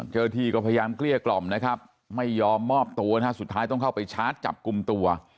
เจ้าหน้าที่ก็พยายามเกลี้ยกล่อมนะครับไม่ยอมมอบตัวนะฮะสุดท้ายต้องเข้าไปชาร์จจับกลุ่มตัว